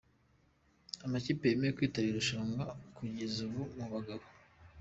Amakipe yemeye kwitabira irushanwa kugeza ubuMu bagabo.